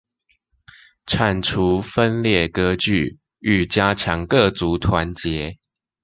剷除分裂割據與加強各族團結